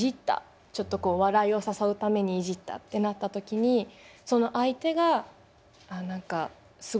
ちょっとこう笑いを誘うためにいじったってなった時にその相手がああ何かすごく笑い者にされちゃった。